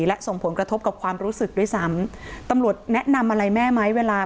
และส่งผลกระทบกับความรู้สึกด้วยซ้ำตำรวจแนะนำอะไรแม่ไหมเวลา